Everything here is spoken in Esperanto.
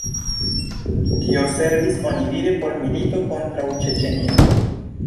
Tio servis onidire por milito kontraŭ Ĉeĉenio.